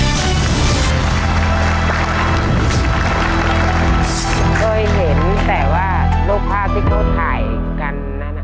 เคยเห็นแต่ว่ารูปภาพที่เขาถ่ายกันนั้น